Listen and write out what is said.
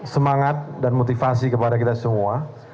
semangat dan motivasi kepada kita semua